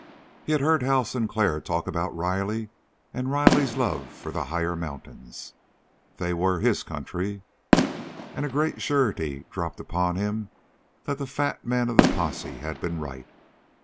He had heard Hal Sinclair talk about Riley and Riley's love for the higher mountains. They were "his country." And a great surety dropped upon him that the fat man of the posse had been right.